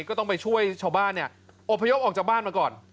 ก็ต้องไปช่วยชาวบ้านเนี่ยอบพยพออกจากบ้านมาก่อน